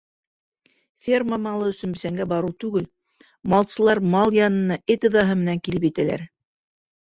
Ферма малы өсөн бесәнгә барыу түгел, малсылар мал янына эт ыҙаһы менән килеп етәләр.